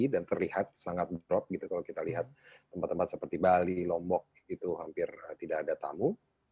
dan terlihat sangat drop gitu kalau kita lihat tempat tempat seperti bali lombok itu hampir tidak ada tamu